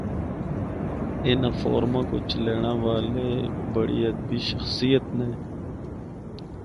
اناں فورماں کو چلینڑا والے ہک بڑی ادبی شخصیت نے۔